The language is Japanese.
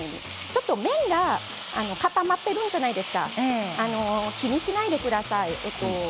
ちょっと麺が固まっているじゃないですか気にしないでください。